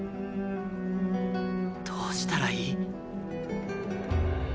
どうしたらいい？